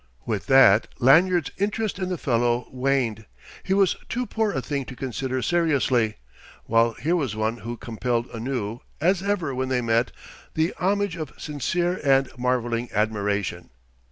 With that Lanyard's interest in the fellow waned; he was too poor a thing to consider seriously; while here was one who compelled anew, as ever when they met, the homage of sincere and marvelling admiration.